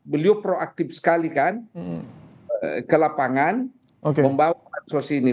beliau proaktif sekali kan ke lapangan membawa bansos ini